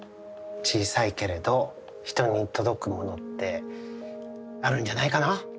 小さいけれど人に届くものってあるんじゃないかな。